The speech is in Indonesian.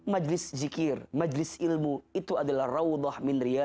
majlis zikir majlis ilmu itu adalah